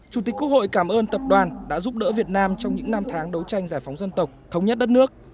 chủ tịch quốc hội cảm ơn tập đoàn đã giúp đỡ việt nam trong những năm tháng đấu tranh giải phóng dân tộc thống nhất đất nước